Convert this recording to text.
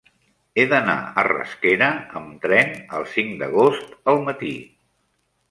He d'anar a Rasquera amb tren el cinc d'agost al matí.